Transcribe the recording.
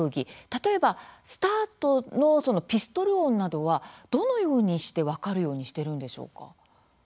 例えばスタートのピストル音などはどのようにして分かるようにしてるんでしょうか。